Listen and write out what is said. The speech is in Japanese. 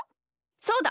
そうだ！